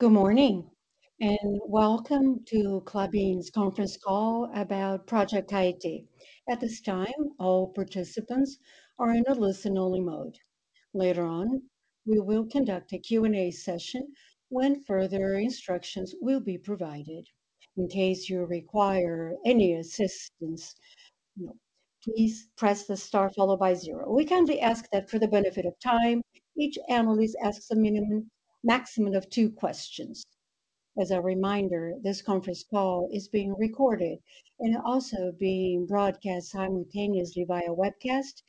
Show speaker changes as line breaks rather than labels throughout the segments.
Good morning and welcome to Klabin's Conference Call About Project Caetê. At this time, all participants are in a listen-only mode. Later on, we will conduct a Q&A session when further instructions will be provided. In case you require any assistance, please press the star followed by zero. We kindly ask that for the benefit of time, each analyst asks a minimum maximum of two questions. As a reminder, this conference call is being recorded and also being broadcast simultaneously via webcast,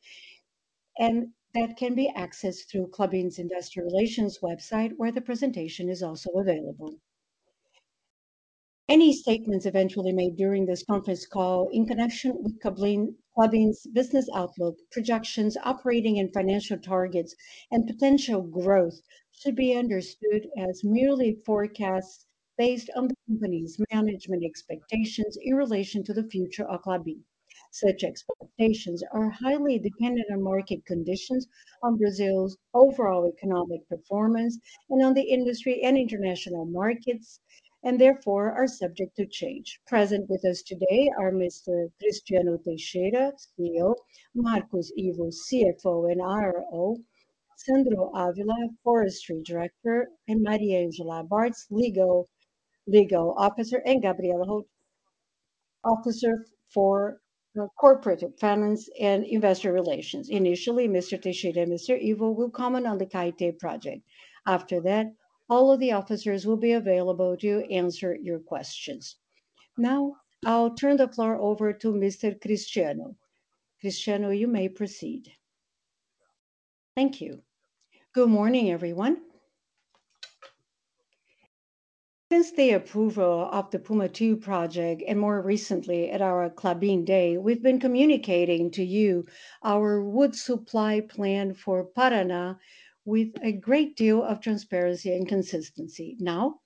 and that can be accessed through Klabin's Investor Relations website where the presentation is also available. Any statements eventually made during this conference call in connection with Klabin's business outlook, projections, operating and financial targets, and potential growth should be understood as merely forecasts based on the company's management expectations in relation to the future of Klabin. Such expectations are highly dependent on market conditions, on Brazil's overall economic performance, and on the industry and international markets, and therefore are subject to change. Present with us today are Mr. Cristiano Teixeira, CEO, Marcos Ivo, CFO and IRO, Sandro Ávila, Forestry Director, and Mariangela Bartholomeu, Legal Officer, and Gabriella Michelucci, Corporate Finance and Investor Relations. Initially, Mr. Teixeira and Mr. Ivo will comment on the Caetê project. After that, all of the officers will be available to answer your questions. Now I'll turn the floor over to Mr. Cristiano. Cristiano, you may proceed. Thank you. Good morning, everyone. Since the approval of the Puma II project and more recently at our Klabin Day, we've been communicating to you our wood supply plan for Paraná with a great deal of transparency and consistency. Now,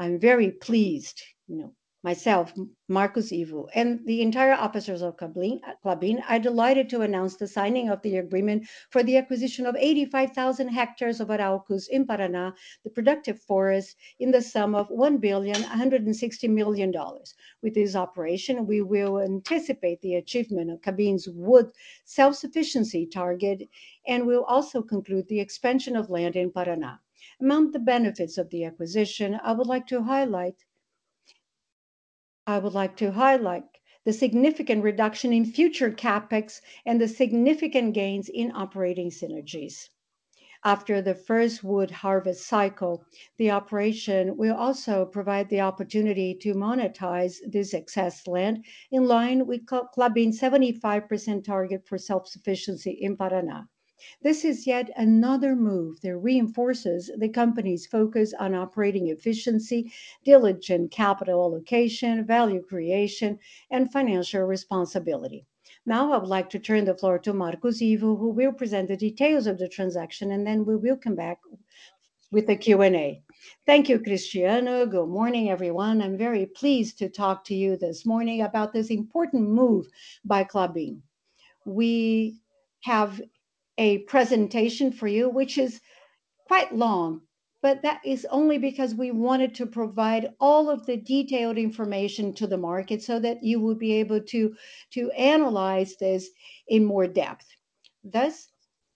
I'm very pleased, you know, myself, Marcos Ivo, and the entire officers of Klabin. I'm delighted to announce the signing of the agreement for the acquisition of 85,000 hectares of Arauco in Paraná, the productive forest, in the sum of $1.16 billion. With this operation, we will anticipate the achievement of Klabin's wood self-sufficiency target, and we'll also conclude the expansion of land in Paraná. Among the benefits of the acquisition, I would like to highlight the significant reduction in future CapEx and the significant gains in operating synergies. After the first wood harvest cycle, the operation will also provide the opportunity to monetize this excess land in line with Klabin's 75% target for self-sufficiency in Paraná. This is yet another move that reinforces the company's focus on operating efficiency, diligent capital allocation, value creation, and financial responsibility. Now I would like to turn the floor to Marcos Ivo, who will present the details of the transaction, and then we will come back with the Q&A.
Thank you, Cristiano. Good morning, everyone. I'm very pleased to talk to you this morning about this important move by Klabin. We have a presentation for you which is quite long, but that is only because we wanted to provide all of the detailed information to the market so that you would be able to analyze this in more depth. Thus,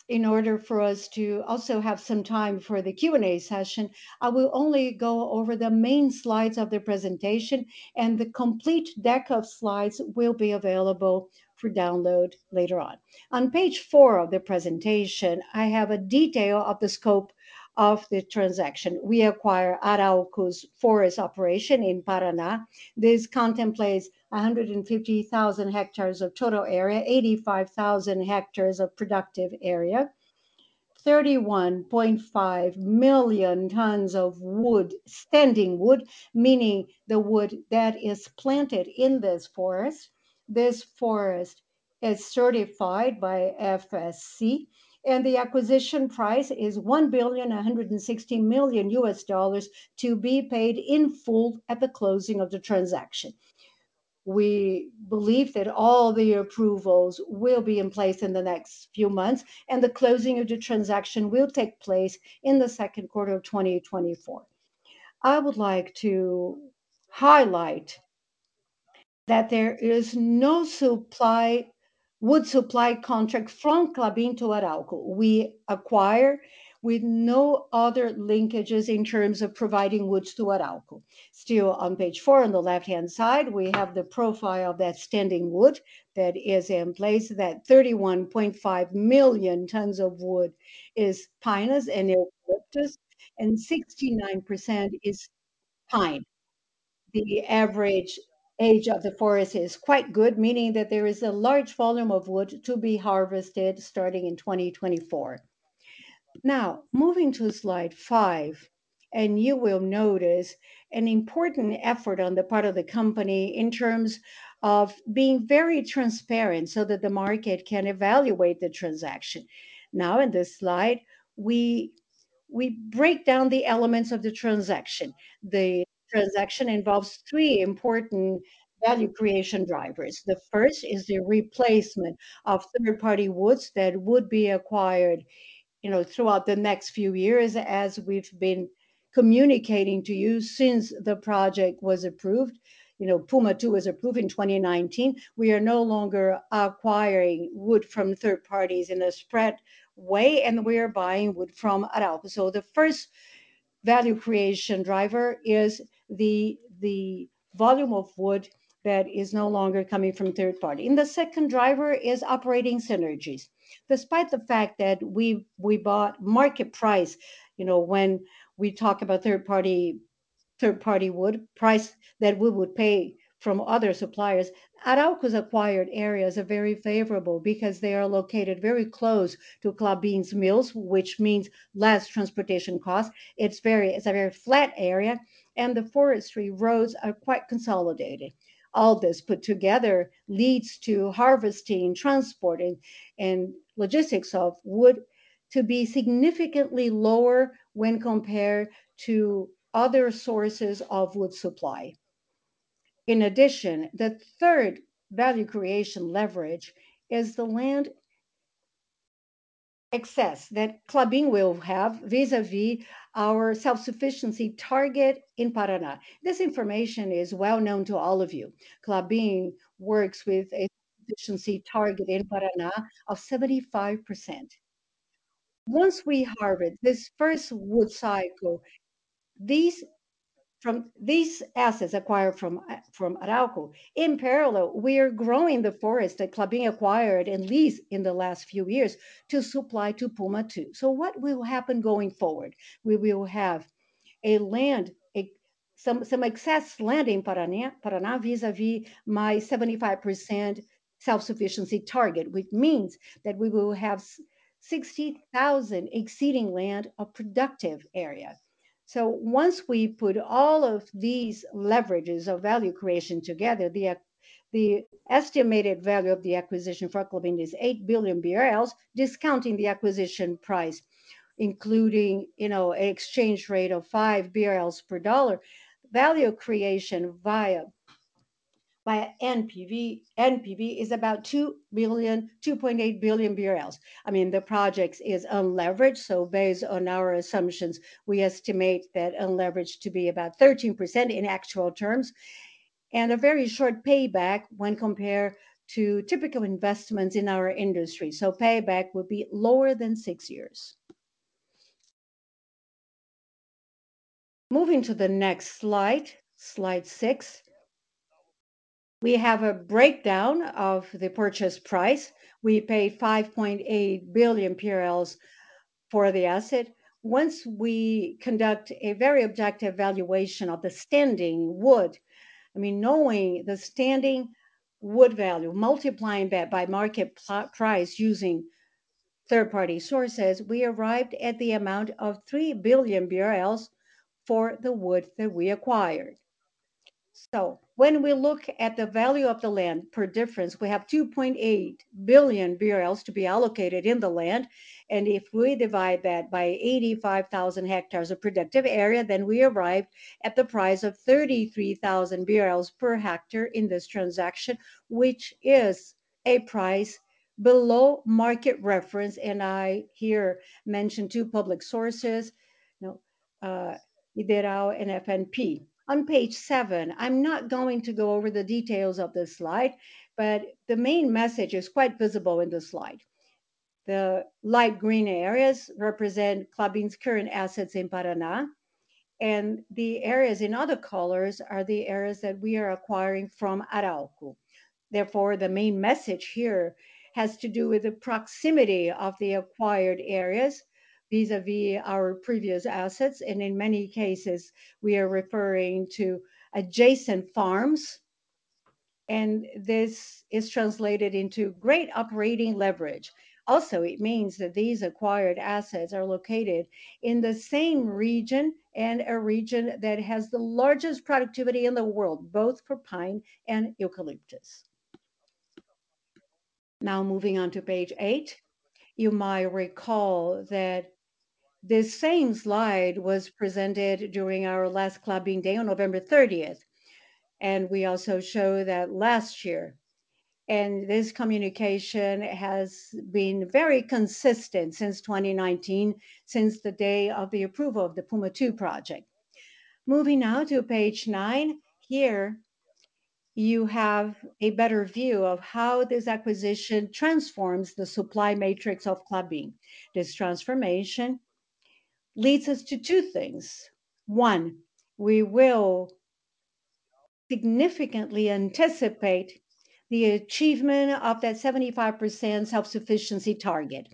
in order for us to also have some time for the Q&A session, I will only go over the main slides of the presentation, and the complete deck of slides will be available for download later on. On page four of the presentation, I have a detail of the scope of the transaction. We acquire Arauco forest operation in Paraná. This contemplates 150,000 hectares of total area, 85,000 hectares of productive area, 31.5 million tons of wood, standing wood, meaning the wood that is planted in this forest. This forest is certified by FSC, and the acquisition price is $1.16 billion to be paid in full at the closing of the transaction. We believe that all the approvals will be in place in the next few months, and the closing of the transaction will take place in the second quarter of 2024. I would like to highlight that there is no supply wood supply contract from Klabin to Arauco. We acquire with no other linkages in terms of providing woods to Arauco. Still, on page 4 on the left-hand side, we have the profile of that standing wood that is in place, that 31.5 million tons of wood is pines and eucalyptus, and 69% is pine. The average age of the forest is quite good, meaning that there is a large volume of wood to be harvested starting in 2024. Now, moving to slide 5, and you will notice an important effort on the part of the company in terms of being very transparent so that the market can evaluate the transaction. Now, in this slide, we break down the elements of the transaction. The transaction involves three important value creation drivers. The first is the replacement of third-party woods that would be acquired, you know, throughout the next few years as we've been communicating to you since the project was approved, you know, Puma II was approved in 2019. We are no longer acquiring wood from third parties in a spread way, and we are buying wood from Arauco. So the first value creation driver is the volume of wood that is no longer coming from third parties. And the second driver is operating synergies. Despite the fact that we bought market price, you know, when we talk about third-party wood price that we would pay from other suppliers, Arauco acquired areas are very favorable because they are located very close to Klabin's mills, which means less transportation costs. It's a very flat area, and the forestry roads are quite consolidated. All this put together leads to harvesting, transporting, and logistics of wood to be significantly lower when compared to other sources of wood supply. In addition, the third value creation leverage is the land excess that Klabin will have vis-à-vis our self-sufficiency target in Paraná. This information is well known to all of you. Klabin works with a self-sufficiency target in Paraná of 75%. Once we harvest this first wood cycle, these assets acquired from Arauco, in parallel, we are growing the forest that Klabin acquired and leased in the last few years to supply to Puma II. So what will happen going forward? We will have some excess land in Paraná vis-à-vis my 75% self-sufficiency target, which means that we will have 60,000 exceeding land of productive area. So once we put all of these leverages of value creation together, the estimated value of the acquisition for Klabin is 8 billion BRL, discounting the acquisition price, including, you know, an exchange rate of 5 BRL per dollar. Value creation via NPV is about 2.8 billion BRL. I mean, the project is unleveraged, so based on our assumptions, we estimate that unleveraged to be about 13% in actual terms, and a very short payback when compared to typical investments in our industry. So payback would be lower than 6 years. Moving to the next slide, slide 6, we have a breakdown of the purchase price. We paid 5.8 billion for the asset. Once we conduct a very objective valuation of the standing wood, I mean, knowing the standing wood value, multiplying that by market price using third-party sources, we arrived at the amount of 3 billion BRL for the wood that we acquired. So when we look at the value of the land per difference, we have 2.8 billion BRL to be allocated in the land, and if we divide that by 85,000 hectares of productive area, then we arrive at the price of 33,000 BRL per hectare in this transaction, which is a price below market reference, and I here mentioned two public sources, you know, IHS Markit and FNP. On page 7, I'm not going to go over the details of this slide, but the main message is quite visible in this slide. The light green areas represent Klabin's current assets in Paraná, and the areas in other colors are the areas that we are acquiring from Arauco. Therefore, the main message here has to do with the proximity of the acquired areas vis-à-vis our previous assets, and in many cases, we are referring to adjacent farms, and this is translated into great operating leverage. Also, it means that these acquired assets are located in the same region and a region that has the largest productivity in the world, both for pine and eucalyptus. Now moving on to page 8, you might recall that this same slide was presented during our last Klabin Day on November 30th, and we also showed that last year, and this communication has been very consistent since 2019, since the day of the approval of the Puma II project. Moving now to page 9, here you have a better view of how this acquisition transforms the supply matrix of Klabin. This transformation leads us to two things. One, we will significantly anticipate the achievement of that 75% self-sufficiency target.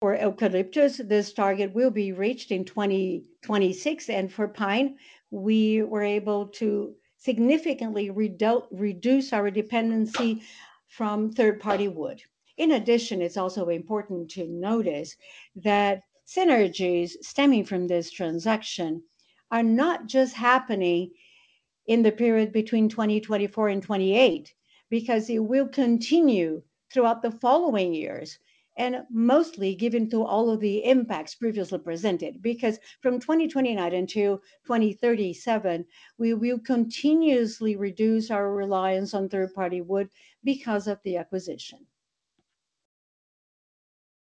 For eucalyptus, this target will be reached in 2026, and for pine, we were able to significantly reduce our dependency from third-party wood. In addition, it's also important to notice that synergies stemming from this transaction are not just happening in the period between 2024 and 2028 because it will continue throughout the following years, and mostly given to all of the impacts previously presented because from 2029 until 2037, we will continuously reduce our reliance on third-party wood because of the acquisition.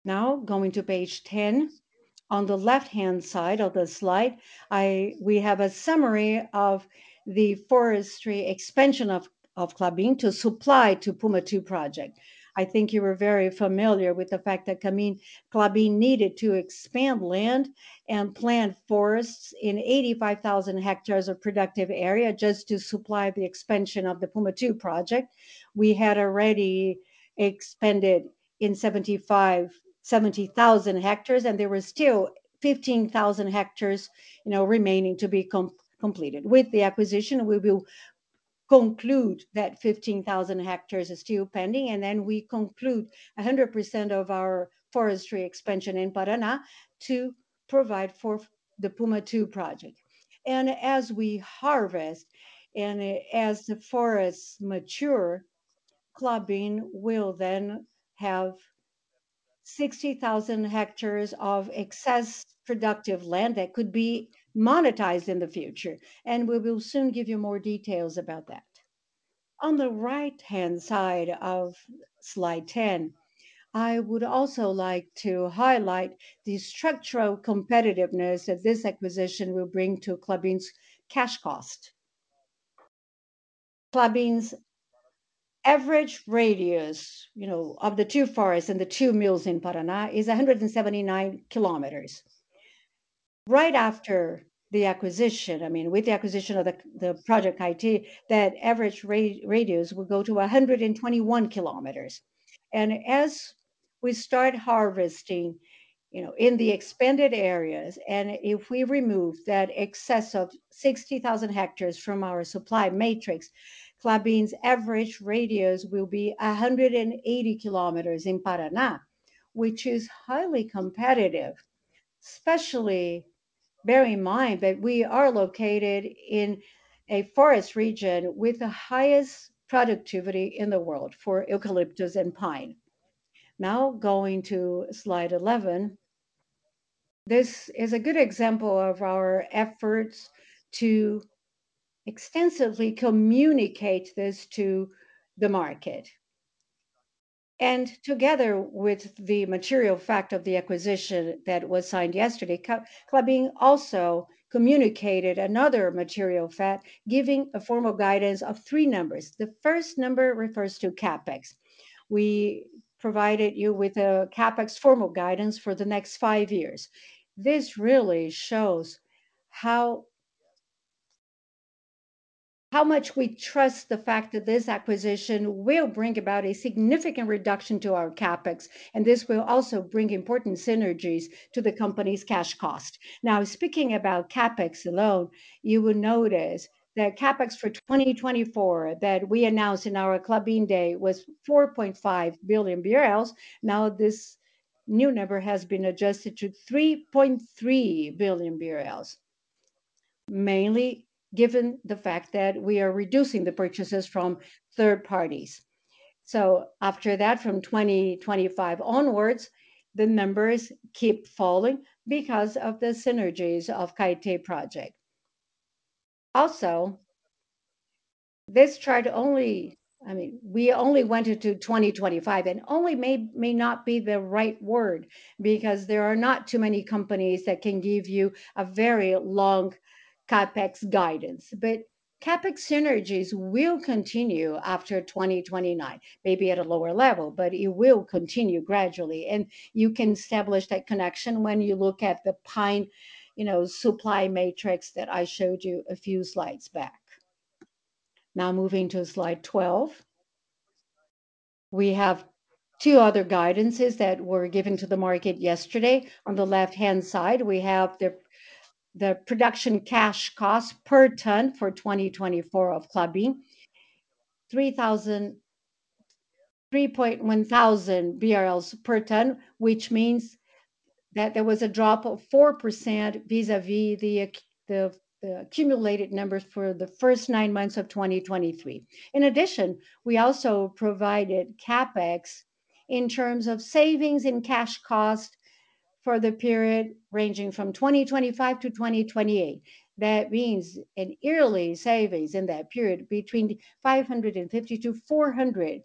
Now going to page 10, on the left-hand side of the slide, we have a summary of the forestry expansion of Klabin to supply to Puma II project. I think you were very familiar with the fact that Klabin needed to expand land and plant forests in 85,000 hectares of productive area just to supply the expansion of the Puma II project. We had already expanded in 75,000 hectares, and there were still 15,000 hectares, you know, remaining to be completed. With the acquisition, we will conclude that 15,000 hectares is still pending, and then we conclude 100% of our forestry expansion in Paraná to provide for the Puma II project. As we harvest and as the forests mature, Klabin will then have 60,000 hectares of excess productive land that could be monetized in the future, and we will soon give you more details about that. On the right-hand side of slide 10, I would also like to highlight the structural competitiveness that this acquisition will bring to Klabin's cash cost. Klabin's average radius, you know, of the two forests and the two mills in Paraná is 179 km. Right after the acquisition, I mean, with the acquisition of the Project Caetê, that average radius will go to 121 km. As we start harvesting, you know, in the expanded areas, and if we remove that excess of 60,000 hectares from our supply matrix, Klabin's average radius will be 180 km in Paraná, which is highly competitive, especially bearing in mind that we are located in a forest region with the highest productivity in the world for eucalyptus and pine. Now going to slide 11, this is a good example of our efforts to extensively communicate this to the market. Together with the material fact of the acquisition that was signed yesterday, Klabin also communicated another material fact, giving a formal guidance of three numbers. The first number refers to CapEx. We provided you with a CapEx formal guidance for the next five years. This really shows how much we trust the fact that this acquisition will bring about a significant reduction to our CapEx, and this will also bring important synergies to the company's cash cost. Now, speaking about CapEx alone, you will notice that CapEx for 2024 that we announced in our Klabin Day was 4.5 billion BRL. Now this new number has been adjusted to 3.3 billion BRL, mainly given the fact that we are reducing the purchases from third parties. So after that, from 2025 onwards, the numbers keep falling because of the synergies of Caetê project. Also, I mean, we only went into 2025 and only may not be the right word because there are not too many companies that can give you a very long CapEx guidance. But CapEx synergies will continue after 2029, maybe at a lower level, but it will continue gradually, and you can establish that connection when you look at the pine, you know, supply matrix that I showed you a few slides back. Now moving to slide 12, we have two other guidances that were given to the market yesterday. On the left-hand side, we have the production cash cost per ton for 2024 of Klabin, 3,000-3,100 BRL BRL per ton, which means that there was a drop of 4% vis-à-vis the accumulated numbers for the first nine months of 2023. In addition, we also provided CapEx in terms of savings in cash cost for the period ranging from 2025 to 2028. That means an yearly savings in that period between 350 million-400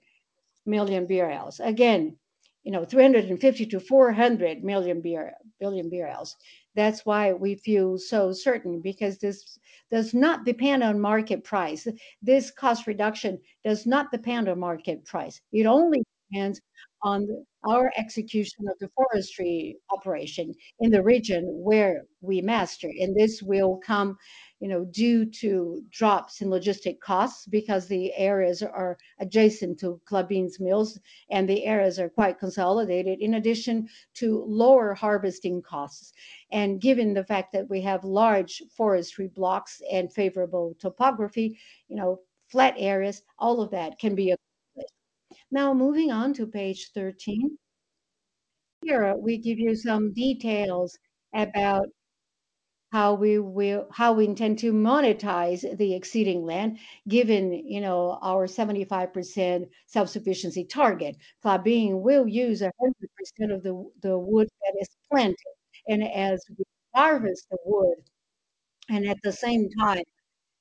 million BRL. Again, you know, 350 million-400 million BRL. That's why we feel so certain, because this does not depend on market price. This cost reduction does not depend on market price. It only depends on our execution of the forestry operation in the region where we master, and this will come, you know, due to drops in logistic costs because the areas are adjacent to Klabin's mills and the areas are quite consolidated, in addition to lower harvesting costs. And given the fact that we have large forestry blocks and favorable topography, you know, flat areas, all of that can be a factor. Now moving on to page 13, here we give you some details about how we will, how we intend to monetize the exceeding land given, you know, our 75% self-sufficiency target. Klabin will use 100% of the wood that is planted, and as we harvest the wood, and at the same time,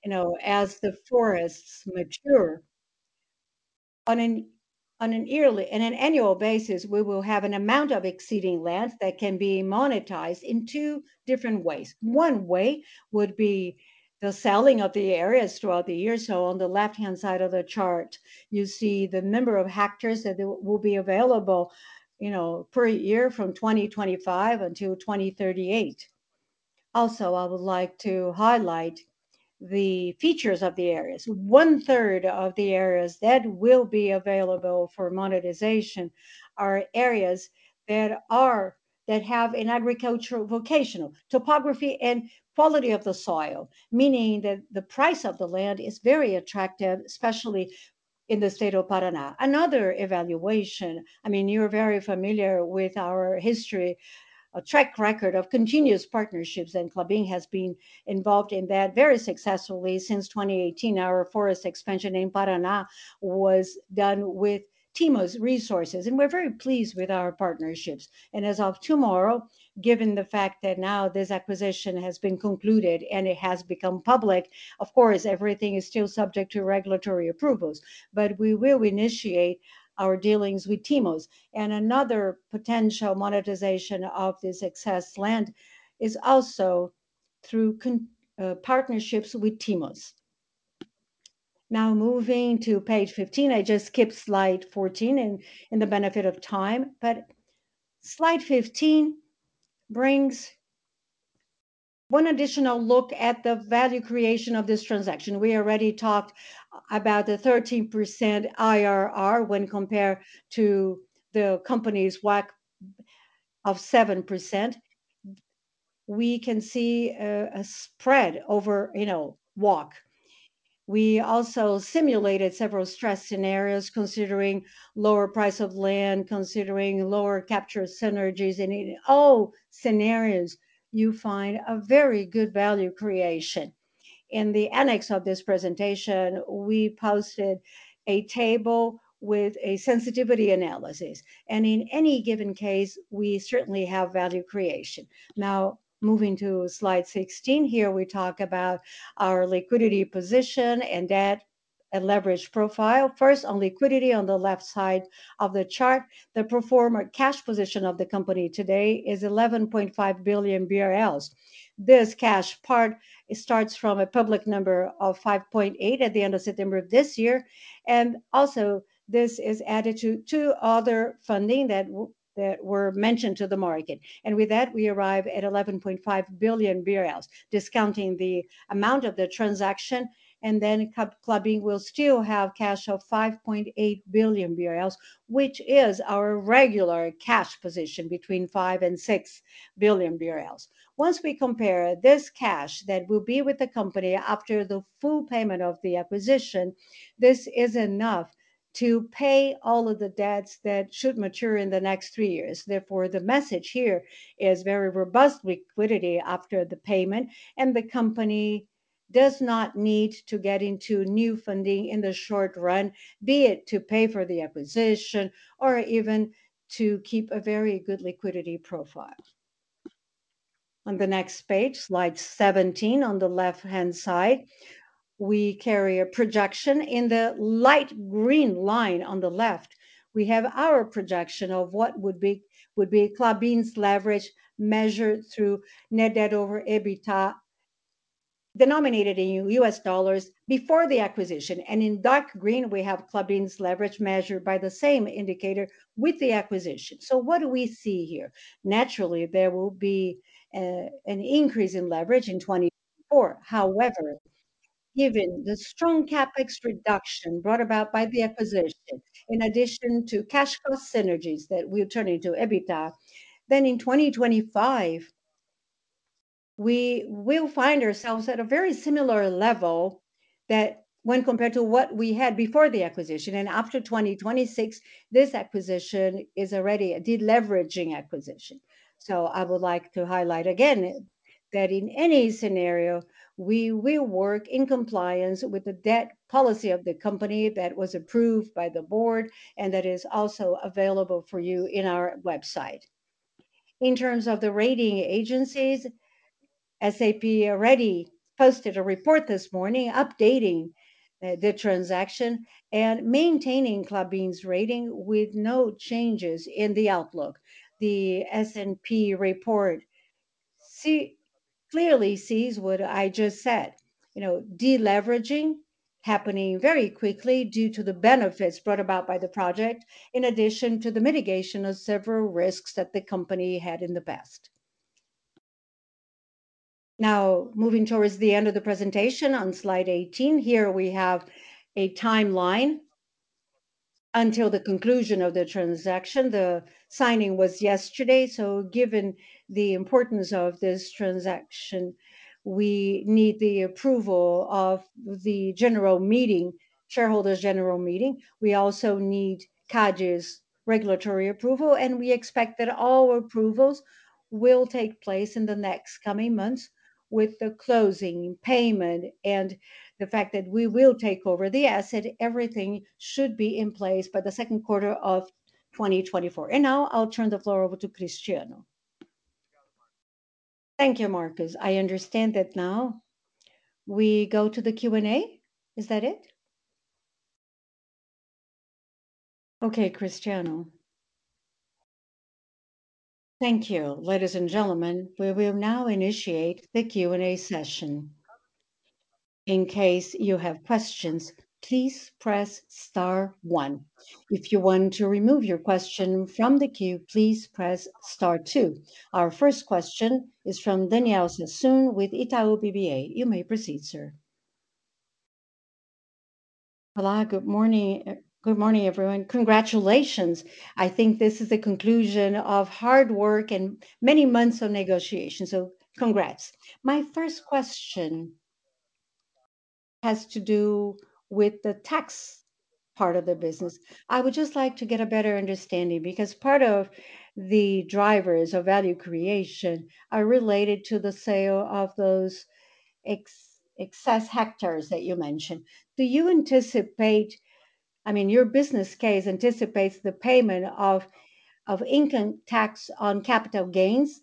you know, as the forests mature, on an annual basis, we will have an amount of exceeding land that can be monetized in two different ways. One way would be the selling of the areas throughout the year. So on the left-hand side of the chart, you see the number of hectares that will be available, you know, per year from 2025 until 2038. Also, I would like to highlight the features of the areas. One-third of the areas that will be available for monetization are areas that have an agricultural vocational, topography, and quality of the soil, meaning that the price of the land is very attractive, especially in the state of Paraná. Another evaluation, I mean, you're very familiar with our history, a track record of continuous partnerships, and Klabin has been involved in that very successfully since 2018. Our forest expansion in Paraná was done with TIMOs resources, and we're very pleased with our partnerships. As of tomorrow, given the fact that now this acquisition has been concluded and it has become public, of course, everything is still subject to regulatory approvals, but we will initiate our dealings with TIMOs. Another potential monetization of this excess land is also through partnerships with TIMOs. Now moving to page 15, I just skipped slide 14 for the benefit of time, but slide 15 brings one additional look at the value creation of this transaction. We already talked about the 13% IRR when compared to the company's WACC of 7%. We can see a spread over, you know, WACC. We also simulated several stress scenarios considering lower price of land, considering lower capture synergies, and in all scenarios, you find a very good value creation. In the annex of this presentation, we posted a table with a sensitivity analysis, and in any given case, we certainly have value creation. Now moving to slide 16, here we talk about our liquidity position and that leverage profile. First, on liquidity on the left side of the chart, the pro forma cash position of the company today is 11.5 billion BRL. This cash part starts from a public number of 5.8 billion at the end of September of this year, and also this is added to two other funding that were mentioned to the market. With that, we arrive at 11.5 billion BRL, discounting the amount of the transaction, and then Klabin will still have cash of 5.8 billion BRL, which is our regular cash position between 5 billion and 6 billion BRL. Once we compare this cash that will be with the company after the full payment of the acquisition, this is enough to pay all of the debts that should mature in the next three years. Therefore, the message here is very robust liquidity after the payment, and the company does not need to get into new funding in the short run, be it to pay for the acquisition or even to keep a very good liquidity profile. On the next page, slide 17 on the left-hand side, we carry a projection. In the light green line on the left, we have our projection of what would be Klabin's leverage measured through net debt over EBITDA, denominated in US dollars before the acquisition. In dark green, we have Klabin's leverage measured by the same indicator with the acquisition. So what do we see here? Naturally, there will be an increase in leverage in 2024. However, given the strong CapEx reduction brought about by the acquisition, in addition to cash cost synergies that will turn into EBITDA, then in 2025, we will find ourselves at a very similar level that, when compared to what we had before the acquisition, and after 2026, this acquisition is already a de-leveraging acquisition. So I would like to highlight again that in any scenario, we will work in compliance with the debt policy of the company that was approved by the board and that is also available for you in our website. In terms of the rating agencies, S&P already posted a report this morning updating the transaction and maintaining Klabin's rating with no changes in the outlook. The S&P report clearly sees what I just said, you know, de-leveraging happening very quickly due to the benefits brought about by the project, in addition to the mitigation of several risks that the company had in the past. Now moving towards the end of the presentation on slide 18, here we have a timeline until the conclusion of the transaction. The signing was yesterday, so given the importance of this transaction, we need the approval of the general meeting, shareholders' general meeting. We also need CADE's regulatory approval, and we expect that all approvals will take place in the next coming months with the closing payment and the fact that we will take over the asset. Everything should be in place by the second quarter of 2024. Now I'll turn the floor over to Cristiano.
Thank you, Marcos. I understand that now. We go to the Q&A. Is that it?
Okay, Cristiano.
Thank you. Ladies and gentlemen, we will now initiate the Q&A session. In case you have questions, please press star one. If you want to remove your question from the queue, please press star two. Our first question is from Daniel Sasson with Itaú BBA. You may proceed, sir.
Hello. Good morning. Good morning, everyone. Congratulations. I think this is the conclusion of hard work and many months of negotiations. So congrats. My first question has to do with the tax part of the business. I would just like to get a better understanding because part of the drivers of value creation are related to the sale of those excess hectares that you mentioned. Do you anticipate, I mean, your business case anticipates the payment of of income tax on capital gains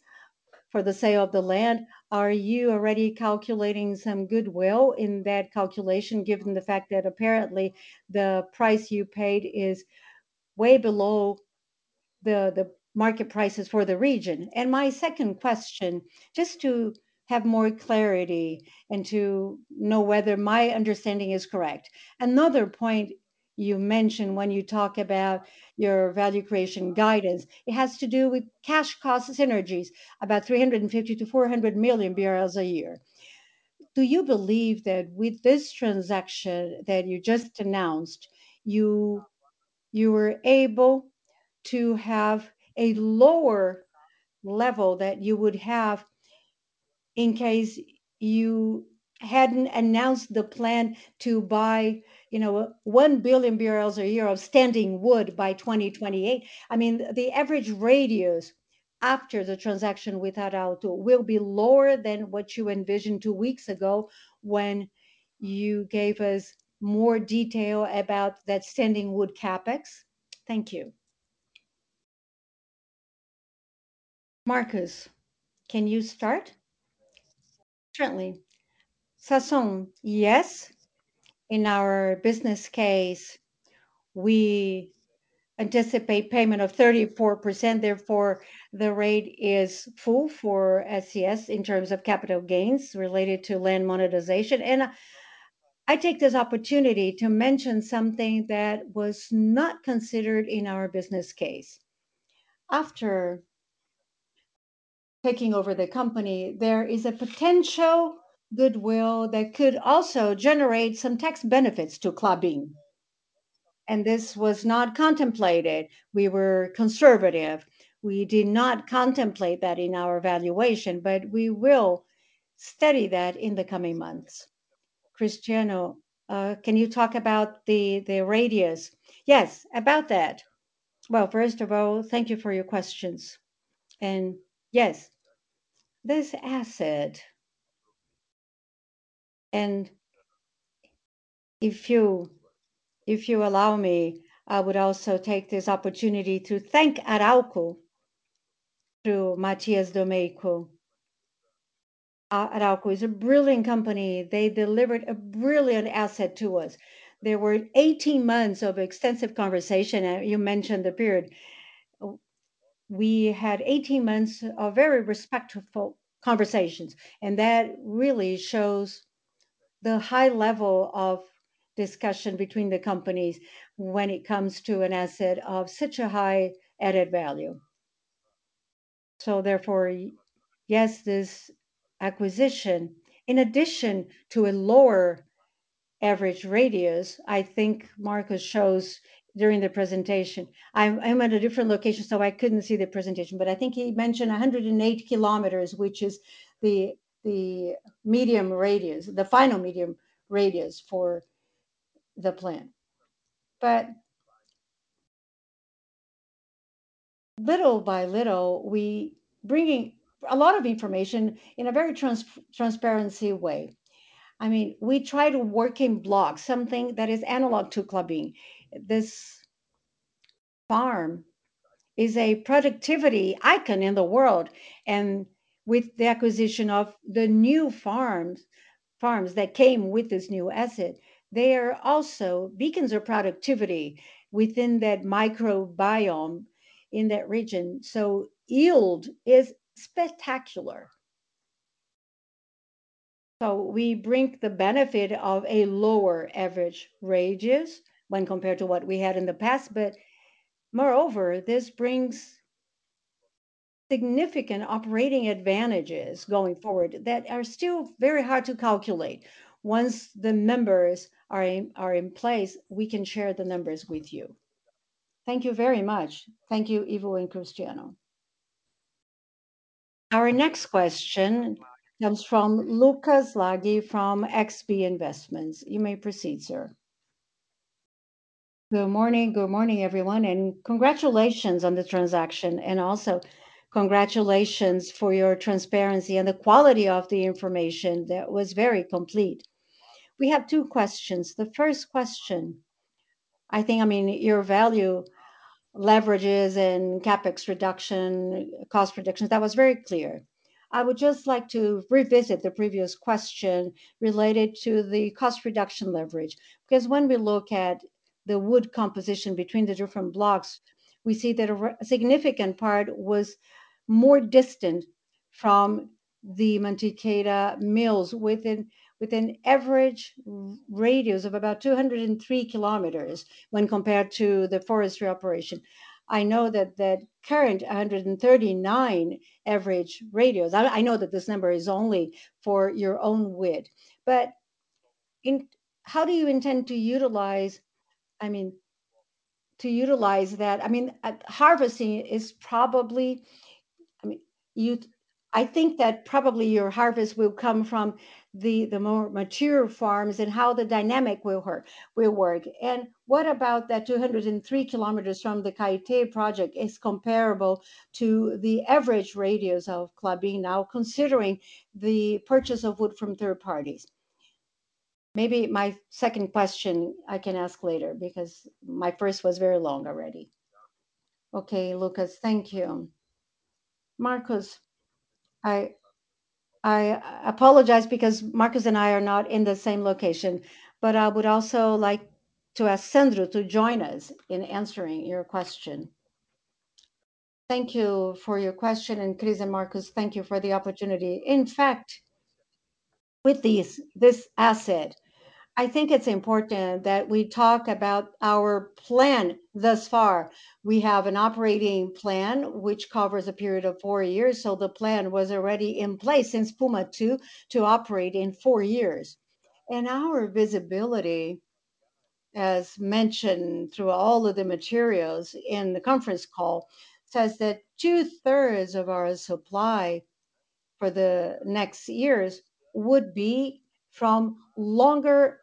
for the sale of the land. Are you already calculating some goodwill in that calculation, given the fact that apparently the price you paid is way below the market prices for the region? And my second question, just to have more clarity and to know whether my understanding is correct. Another point you mentioned when you talk about your value creation guidance, it has to do with cash cost synergies, about 350 million-400 million BRL a year. Do you believe that with this transaction that you just announced, you were able to have a lower level that you would have in case you hadn't announced the plan to buy, you know, 1 billion a year of standing wood by 2028? I mean, the average radius after the transaction with Arauco will be lower than what you envisioned two weeks ago when you gave us more detail about that standing wood CapEx. Thank you.
Marcos, can you start?
Certainly. Sasson, yes. In our business case, we anticipate payment of 34%. Therefore, the rate is full for taxes in terms of capital gains related to land monetization. I take this opportunity to mention something that was not considered in our business case. After taking over the company, there is a potential goodwill that could also generate some tax benefits to Klabin. And this was not contemplated. We were conservative. We did not contemplate that in our valuation, but we will study that in the coming months. Cristiano, can you talk about the radius?
Yes, about that. Well, first of all, thank you for your questions. And yes, this asset, and if you allow me, I would also take this opportunity to thank Arauco through Matías Domeyko. Arauco is a brilliant company. They delivered a brilliant asset to us. There were 18 months of extensive conversation, and you mentioned the period. We had 18 months of very respectful conversations, and that really shows the high level of discussion between the companies when it comes to an asset of such a high added value. So therefore, yes, this acquisition, in addition to a lower average radius, I think Marcos shows during the presentation. I'm at a different location, so I couldn't see the presentation, but I think he mentioned 108 km, which is the mean radius, the final mean radius for the plan. But little by little, we're bringing a lot of information in a very transparent way. I mean, we try to work in blocks, something that is analogous to Klabin. This farm is a productivity icon in the world, and with the acquisition of the new farms that came with this new asset, they are also beacons of productivity within that microregion in that region. So yield is spectacular. So we bring the benefit of a lower average radius when compared to what we had in the past. But moreover, this brings significant operating advantages going forward that are still very hard to calculate. Once the numbers are in place, we can share the numbers with you.
Thank you very much.
Thank you, Ivo and Cristiano. Our next question comes from Lucas Laghi from XP Investimentos. You may proceed, sir. Good morning.
Good morning, everyone. And congratulations on the transaction, and also congratulations for your transparency and the quality of the information. That was very complete. We have two questions. The first question, I think, I mean, your value leverages and CapEx reduction, cost reductions, that was very clear. I would just like to revisit the previous question related to the cost reduction leverage because when we look at the wood composition between the different blocks, we see that a significant part was more distant from the Monte Alegre mill with an average radius of about 203 km when compared to the forestry operation. I know that the current 139 average radius. I know that this number is only for your own wood, but how do you intend to utilize, I mean, to utilize that? I mean, harvesting is probably, I mean, I think that probably your harvest will come from the more mature farms and how the dynamic will work. And what about that 203 km from the Caetê project? Is [it] comparable to the average radius of Klabin now considering the purchase of wood from third parties? Maybe my second question I can ask later because my first was very long already.
Okay, Lucas, thank you. Marcos, I apologize because Marcos and I are not in the same location, but I would also like to ask Sandro to join us in answering your question.
Thank you for your question. Chris and Marcos, thank you for the opportunity. In fact, with this asset, I think it's important that we talk about our plan thus far. We have an operating plan which covers a period of four years. So the plan was already in place since Puma II to operate in four years. And our visibility, as mentioned through all of the materials in the conference call, says that 2/3 of our supply for the next years would be from longer,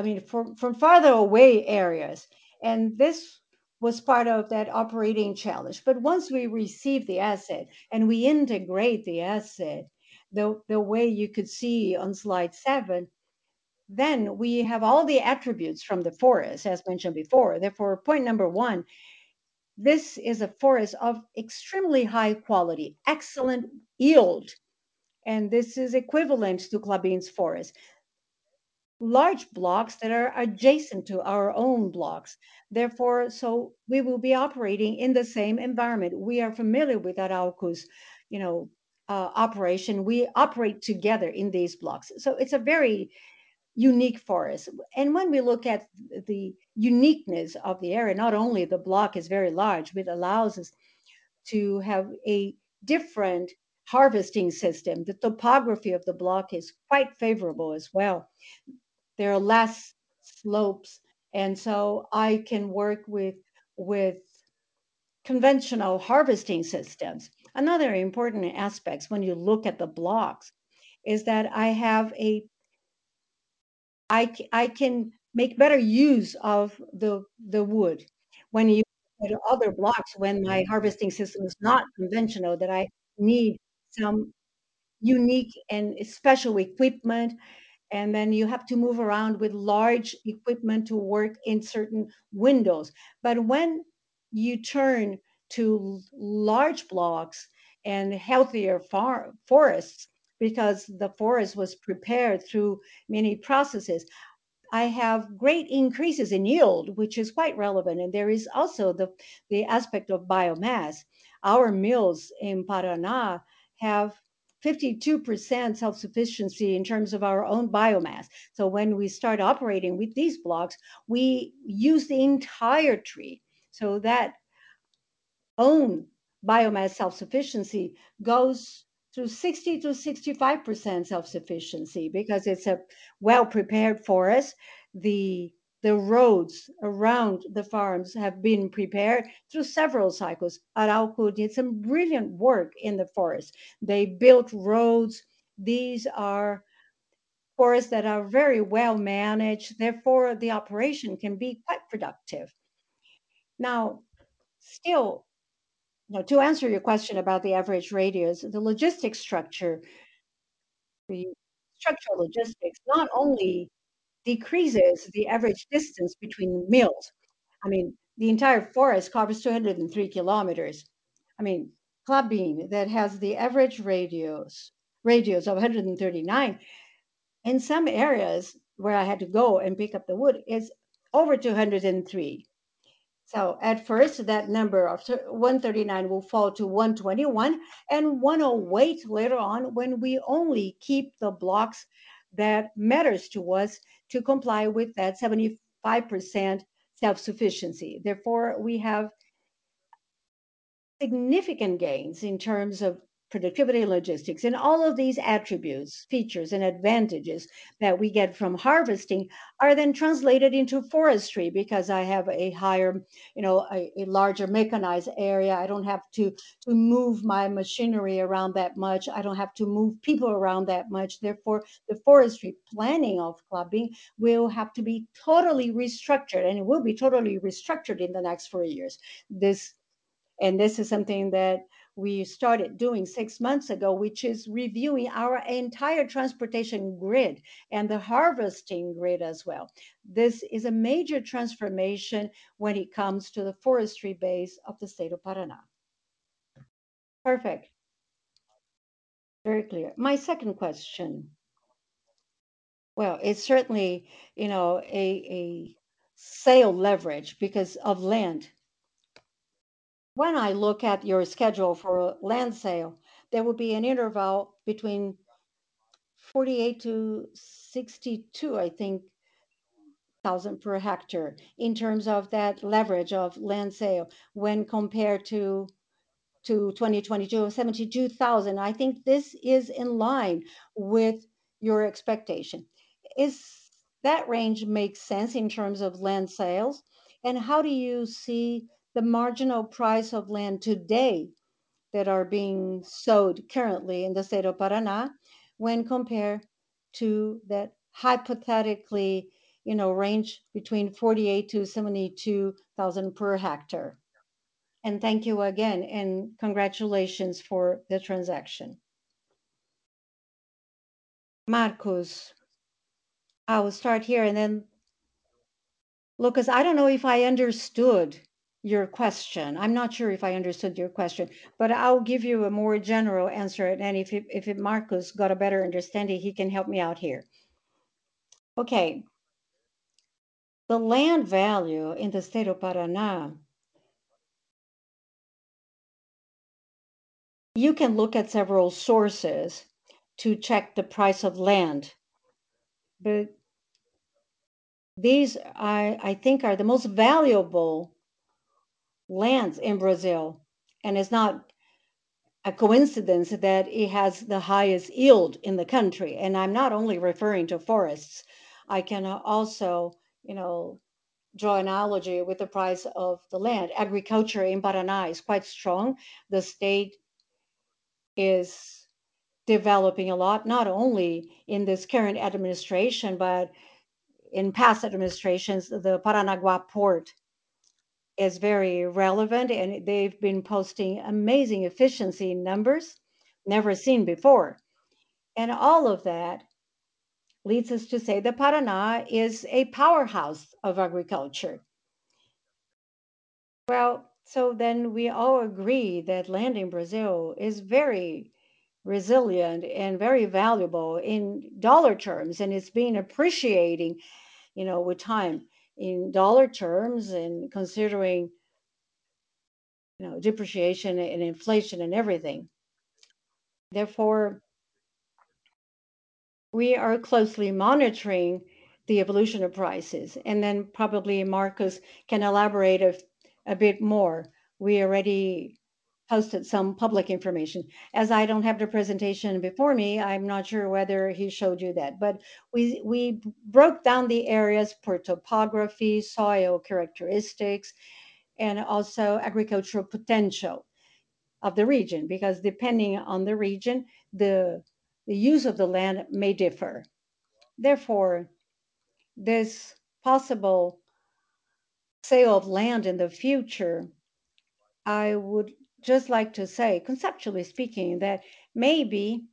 I mean, from farther away areas. And this was part of that operating challenge. But once we receive the asset and we integrate the asset, the way you could see on slide 7, then we have all the attributes from the forest, as mentioned before. Therefore, point number one, this is a forest of extremely high quality, excellent yield, and this is equivalent to Klabin's forest. Large blocks that are adjacent to our own blocks. Therefore, so we will be operating in the same environment. We are familiar with Arauco, you know, operation. We operate together in these blocks. So it's a very unique forest. And when we look at the uniqueness of the area, not only the block is very large, it allows us to have a different harvesting system. The topography of the block is quite favorable as well. There are less slopes, and so I can work with conventional harvesting systems. Another important aspect when you look at the blocks is that I can make better use of the wood when you go to other blocks. When my harvesting system is not conventional, that I need some unique and special equipment, and then you have to move around with large equipment to work in certain windows. But when you turn to large blocks and healthier forests because the forest was prepared through many processes, I have great increases in yield, which is quite relevant. And there is also the aspect of biomass. Our mills in Paraná have 52% self-sufficiency in terms of our own biomass. So when we start operating with these blocks, we use the entire tree so that own biomass self-sufficiency goes through 60%-65% self-sufficiency because it's a well-prepared forest. The roads around the farms have been prepared through several cycles. Arauco did some brilliant work in the forest. They built roads. These are forests that are very well managed. Therefore, the operation can be quite productive. Now, still, you know, to answer your question about the average radius, the logistics structure, structural logistics, not only decreases the average distance between mills. I mean, the entire forest covers 203 km. I mean, Klabin that has the average radius of 139, in some areas where I had to go and pick up the wood, it's over 203. So at first, that number of 139 will fall to 121 and 108 later on when we only keep the blocks that matter to us to comply with that 75% self-sufficiency. Therefore, we have significant gains in terms of productivity and logistics. And all of these attributes, features, and advantages that we get from harvesting are then translated into forestry because I have a higher, you know, a larger mechanized area. I don't have to move my machinery around that much. I don't have to move people around that much. Therefore, the forestry planning of Klabin will have to be totally restructured, and it will be totally restructured in the next four years. This is something that we started doing six months ago, which is reviewing our entire transportation grid and the harvesting grid as well. This is a major transformation when it comes to the forestry base of the state of Paraná.
Perfect. Very clear. My second question, well, it's certainly, you know, a sale leverage because of land. When I look at your schedule for a land sale, there will be an interval between 48,000-62,000, I think, per hectare in terms of that leverage of land sale when compared to 2022 of 72,000. I think this is in line with your expectation. Does that range make sense in terms of land sales? And how do you see the marginal price of land today that are being sowed currently in the state of Paraná when compared to that hypothetically, you know, range between 48,000-72,000 per hectare? Thank you again, and congratulations for the transaction.
Marcos, I will start here and then, Lucas, I don't know if I understood your question. I'm not sure if I understood your question, but I'll give you a more general answer anyway if Marcos got a better understanding. He can help me out here. Okay. The land value in the state of Paraná, you can look at several sources to check the price of land, but these I think are the most valuable lands in Brazil. It's not a coincidence that it has the highest yield in the country. I'm not only referring to forests. I can also, you know, draw an analogy with the price of the land. Agriculture in Paraná is quite strong. The state is developing a lot, not only in this current administration, but in past administrations. The Paranaguá port is very relevant, and they've been posting amazing efficiency numbers never seen before. All of that leads us to say that Paraná is a powerhouse of agriculture. Well, so then we all agree that land in Brazil is very resilient and very valuable in dollar terms, and it's been appreciating, you know, with time in dollar terms and considering, you know, depreciation and inflation and everything. Therefore, we are closely monitoring the evolution of prices. Then probably Marcos can elaborate a bit more. We already posted some public information. As I don't have the presentation before me, I'm not sure whether he showed you that. But we broke down the areas per topography, soil characteristics, and also agricultural potential of the region because depending on the region, the use of the land may differ. Therefore, this possible sale of land in the future, I would just like to say, conceptually speaking, that maybe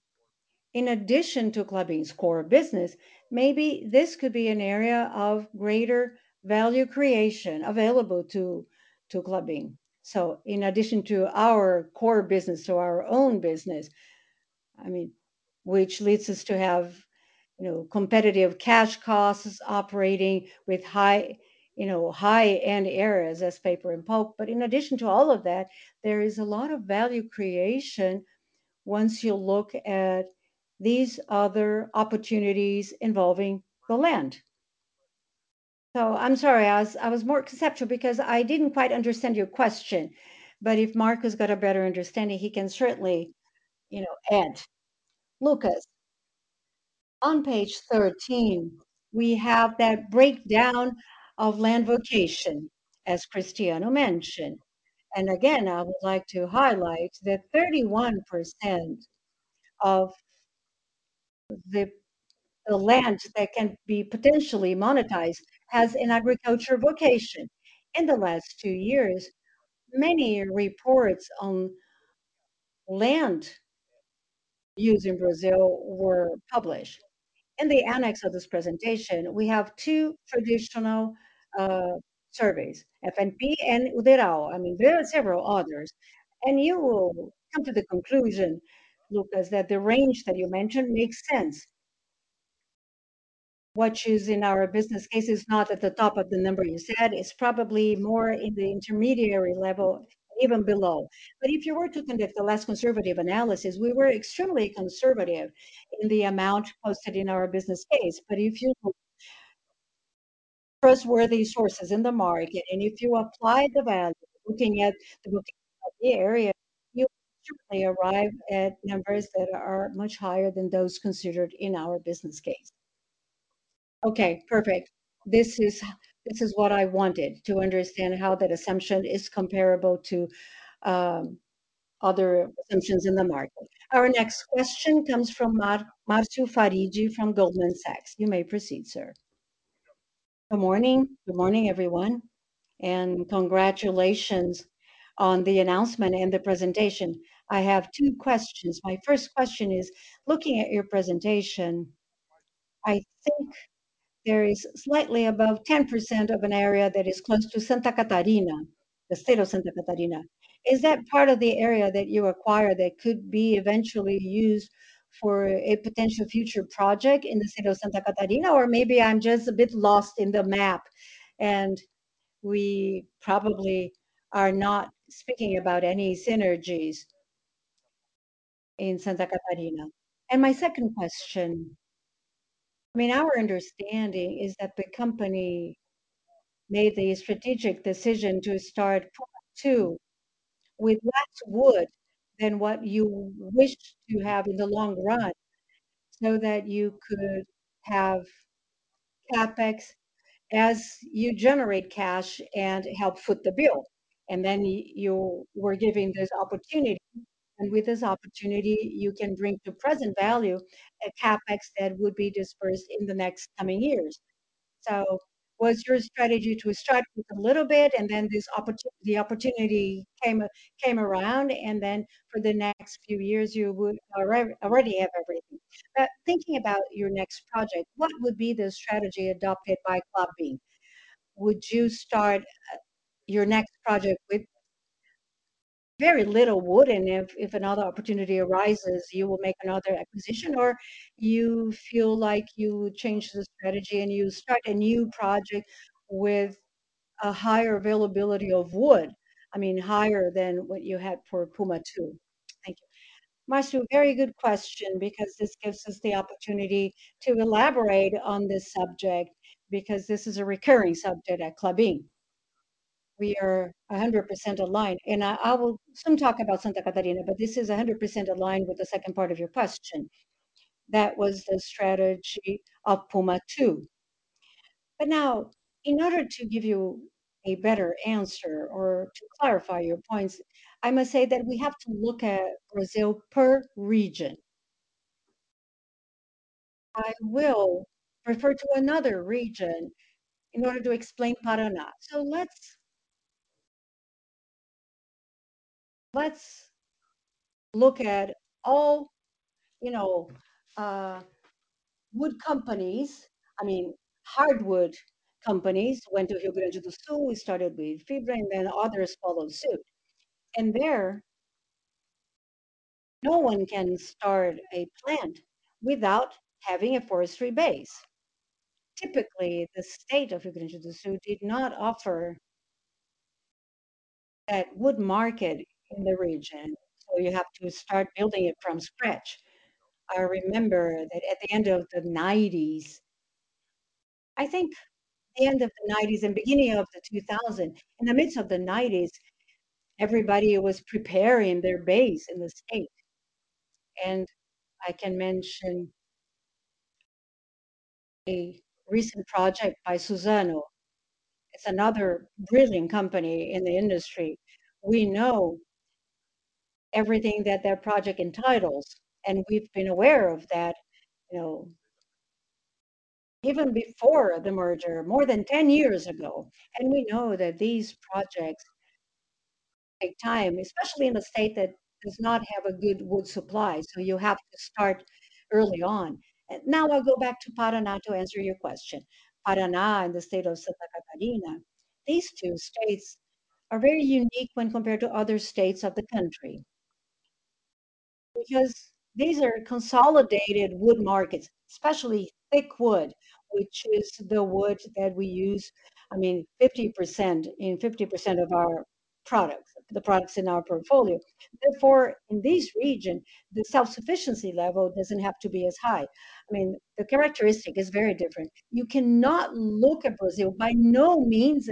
in addition to Klabin's core business, maybe this could be an area of greater value creation available to Klabin. So in addition to our core business, to our own business, I mean, which leads us to have, you know, competitive cash costs operating with high, you know, high-end areas as paper and pulp. But in addition to all of that, there is a lot of value creation once you look at these other opportunities involving the land. So I'm sorry. I was more conceptual because I didn't quite understand your question. But if Marcos got a better understanding, he can certainly, you know, add.
Lucas, on page 13, we have that breakdown of land vocation as Cristiano mentioned. And again, I would like to highlight that 31% of the land that can be potentially monetized has an agricultural vocation. In the last two years, many reports on land use in Brazil were published. In the annex of this presentation, we have two traditional surveys, FNP and DERAL. I mean, there are several others. And you will come to the conclusion, Lucas, that the range that you mentioned makes sense. What is in our business case is not at the top of the number you said. It's probably more in the intermediary level, even below. But if you were to conduct a less conservative analysis, we were extremely conservative in the amount posted in our business case. But if you look at trustworthy sources in the market, and if you apply the value, looking at the area of the area, you certainly arrive at numbers that are much higher than those considered in our business case.
Okay, perfect. This is what I wanted to understand, how that assumption is comparable to other assumptions in the market.
Our next question comes from Márcio Farid from Goldman Sachs. You may proceed, sir. Good morning.
Good morning, everyone. And congratulations on the announcement and the presentation. I have two questions. My first question is, looking at your presentation, I think there is slightly above 10% of an area that is close to Santa Catarina, the state of Santa Catarina. Is that part of the area that you acquire that could be eventually used for a potential future project in the state of Santa Catarina? Or maybe I'm just a bit lost in the map, and we probably are not speaking about any synergies in Santa Catarina. My second question, I mean, our understanding is that the company made the strategic decision to start Puma II with less wood than what you wish to have in the long run so that you could have CapEx as you generate cash and help foot the bill. And then you were given this opportunity, and with this opportunity, you can bring to present value a CapEx that would be dispersed in the next coming years. So was your strategy to start with a little bit, and then this opportunity the opportunity came around, and then for the next few years, you would already have everything? But thinking about your next project, what would be the strategy adopted by Klabin? Would you start your next project with very little wood, and if another opportunity arises, you will make another acquisition? Or you feel like you change the strategy and you start a new project with a higher availability of wood, I mean, higher than what you had for Puma II? Thank you.
Márcio, very good question because this gives us the opportunity to elaborate on this subject because this is a recurring subject at Klabin. We are 100% aligned. I will soon talk about Santa Catarina, but this is 100% aligned with the second part of your question. That was the strategy of Puma II. Now, in order to give you a better answer or to clarify your points, I must say that we have to look at Brazil per region. I will refer to another region in order to explain Paraná. So let's look at all, you know, wood companies, I mean, hardwood companies went to Rio Grande do Sul. We started with Fibria, and then others followed suit. There, no one can start a plant without having a forestry base. Typically, the state of Rio Grande do Sul did not offer that wood market in the region, so you have to start building it from scratch. I remember that at the end of the 1990s, I think the end of the 1990s and beginning of the 2000s, in the midst of the 1990s, everybody was preparing their base in the state. I can mention a recent project by Suzano. It's another brilliant company in the industry. We know everything that their project entitles, and we've been aware of that, you know, even before the merger, more than 10 years ago. We know that these projects take time, especially in a state that does not have a good wood supply. So you have to start early on. Now I'll go back to Paraná to answer your question. Paraná and the state of Santa Catarina, these two states are very unique when compared to other states of the country because these are consolidated wood markets, especially thick wood, which is the wood that we use, I mean, 50% in 50% of our products, the products in our portfolio. Therefore, in this region, the self-sufficiency level doesn't have to be as high. I mean, the characteristic is very different. You cannot look at Brazil by no means,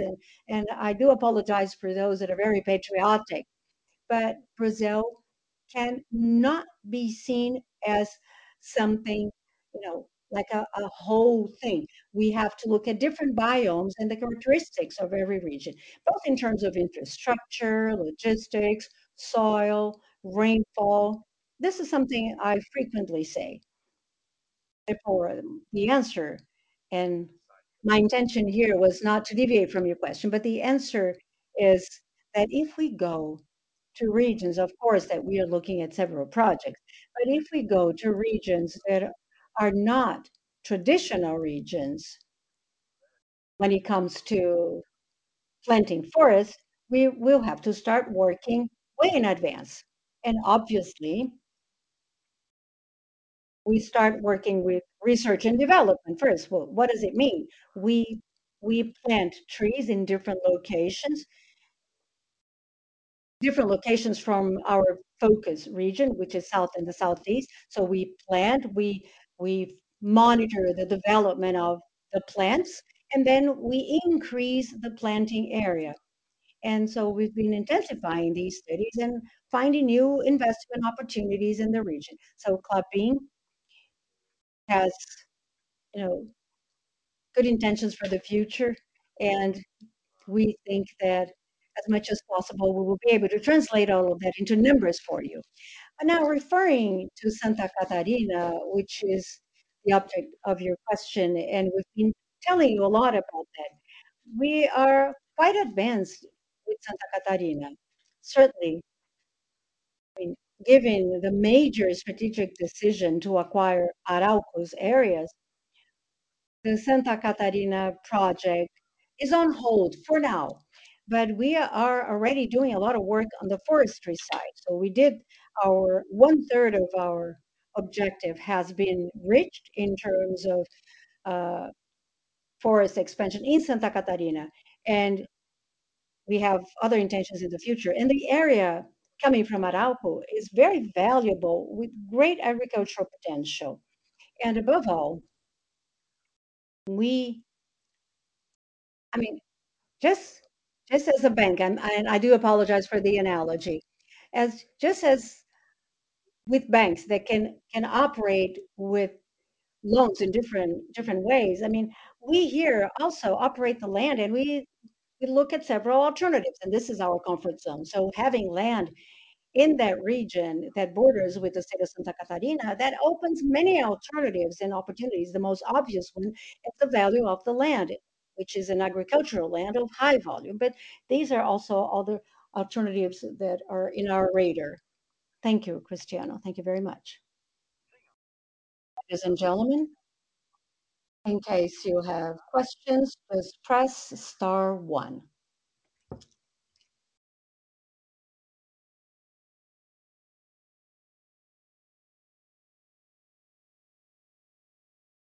and I do apologize for those that are very patriotic, but Brazil cannot be seen as something, you know, like a whole thing. We have to look at different biomes and the characteristics of every region, both in terms of infrastructure, logistics, soil, rainfall. This is something I frequently say. Therefore, the answer, and my intention here was not to deviate from your question, but the answer is that if we go to regions, of course, that we are looking at several projects, but if we go to regions that are not traditional regions when it comes to planting forests, we will have to start working way in advance. And obviously, we start working with research and development first. What does it mean? We plant trees in different locations, different locations from our focus region, which is south and the southeast. So we plant, we monitor the development of the plants, and then we increase the planting area. And so we've been intensifying these studies and finding new investment opportunities in the region. So Klabin has, you know, good intentions for the future, and we think that as much as possible, we will be able to translate all of that into numbers for you. But now referring to Santa Catarina, which is the object of your question, and we've been telling you a lot about that, we are quite advanced with Santa Catarina, certainly. I mean, given the major strategic decision to acquire Arauco areas, the Santa Catarina project is on hold for now. But we are already doing a lot of work on the forestry side. So we did our one-third of our objective has been reached in terms of forest expansion in Santa Catarina. And we have other intentions in the future. And the area coming from Arauco is very valuable with great agricultural potential. And above all, I mean, just as a bank, and I do apologize for the analogy, as just as with banks that can operate with loans in different ways, I mean, we here also operate the land, and we look at several alternatives, and this is our comfort zone. So having land in that region that borders with the state of Santa Catarina, that opens many alternatives and opportunities. The most obvious one is the value of the land, which is an agricultural land of high volume. But these are also other alternatives that are in our radar.
Thank you, Cristiano.
Thank you very much. Ladies and gentlemen, in case you have questions, please press star one.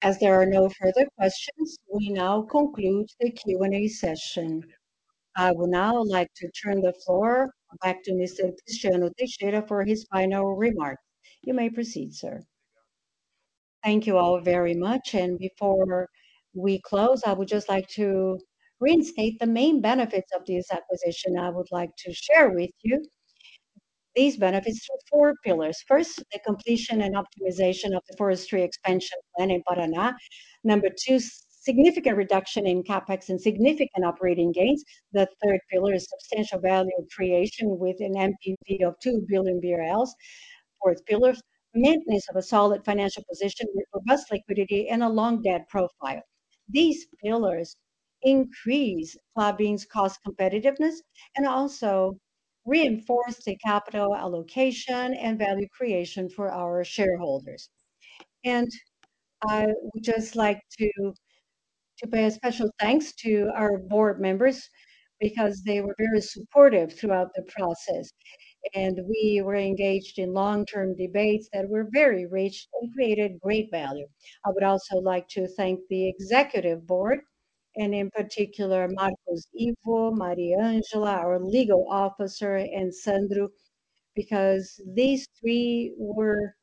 As there are no further questions, we now conclude the Q&A session. I would now like to turn the floor back to Mr. Cristiano Teixeira for his final remarks. You may proceed, sir.
Thank you all very much. Before we close, I would just like to reinstate the main benefits of this acquisition I would like to share with you. These benefits are four pillars. First, the completion and optimization of the forestry expansion plan in Paraná. Number two, significant reduction in CapEx and significant operating gains. The third pillar is substantial value creation with an NPV of 2 billion BRL. Fourth pillar, maintenance of a solid financial position with robust liquidity and a long debt profile. These pillars increase Klabin's cost competitiveness and also reinforce the capital allocation and value creation for our shareholders. I would just like to pay a special thanks to our board members because they were very supportive throughout the process. We were engaged in long-term debates that were very rich and created great value. I would also like to thank the executive board, and in particular, Marcos Ivo, Mariangela, our legal officer, and Sandro, because these three were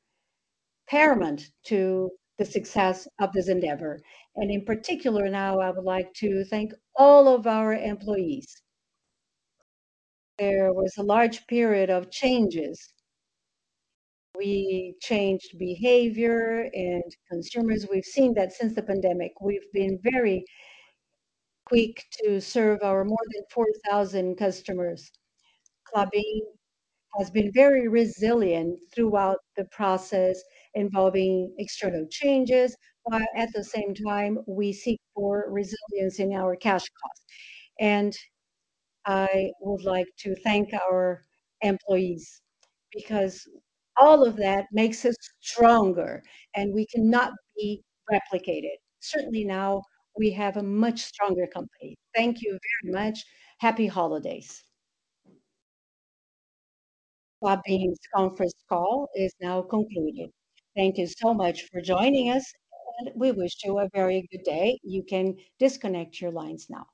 paramount to the success of this endeavor. In particular, now I would like to thank all of our employees. There was a large period of changes. We changed behavior and consumers. We've seen that since the pandemic. We've been very quick to serve our more than 4,000 customers. Klabin has been very resilient throughout the process involving external changes, while at the same time, we seek for resilience in our cash costs. I would like to thank our employees because all of that makes us stronger, and we cannot be replicated. Certainly now, we have a much stronger company. Thank you very much. Happy holidays.
Klabin's conference call is now concluded. Thank you so much for joining us, and we wish you a very good day. You can disconnect your lines now.